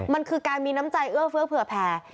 มันคือการมีน้ำใจเอื้อเฟื้อเผื่อแผ่